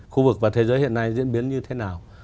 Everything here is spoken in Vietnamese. khu vực và thế giới hiện nay diễn biến như thế nào